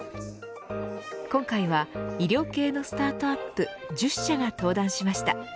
今回は、医療系のスタートアップ１０社が登壇しました。